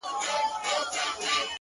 څه ژوند كولو ته مي پريږده كنه !!